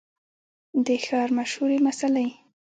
د ښار مشهورې مسلۍ